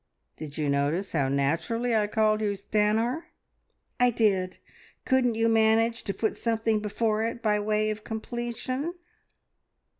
... Did you notice how naturally I called you `Stanor'?" "I did! Couldn't you manage to put something before it by way, of completion?"